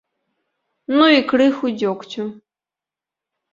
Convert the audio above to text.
Ну і крыху дзёгцю!